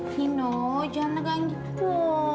rino janganlah begitu